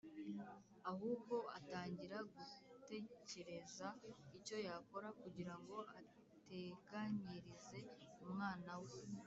Ahubwo atangira gutekereza icyo yakora kugira ngo ateganyirize umwana we.